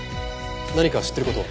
何か知ってる事は？